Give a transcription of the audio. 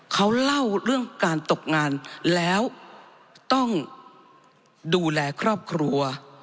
เขาเล่าเรื่องการตกงานแล้วต้องดูแลครอบครัว